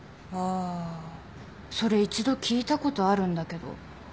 あーそれ一度聞いたことあるんだけど。